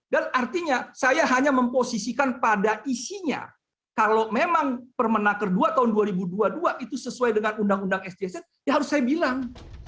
dan artinya saya hanya memposisikan pada isinya kalau memang permenak kedua tahun dua ribu dua puluh dua itu sesuai dengan undang undang sjsn ya harus saya bilang